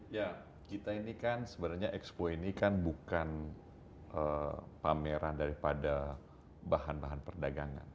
ya kita ini kan sebenarnya expo ini kan bukan pameran daripada bahan bahan perdagangan